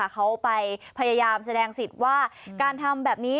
เขาไปพยายามแสดงสิทธิ์ว่าการทำแบบนี้